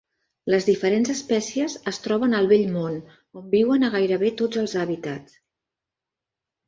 Les diferents espècies es troben al Vell Món, on viuen a gairebé tots els hàbitats.